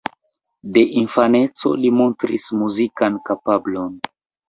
De infaneco li montris muzikan kapablon.